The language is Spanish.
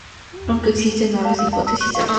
Aunque existen otras hipótesis al respecto.